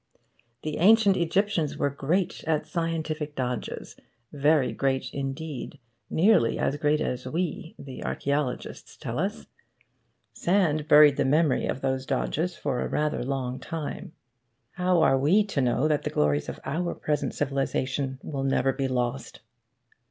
The ancient Egyptians were great at scientific dodges very great indeed, nearly as great as we, the archaeologists tell us. Sand buried the memory of those dodges for a rather long time. How are we to know that the glories of our present civilisation will never be lost?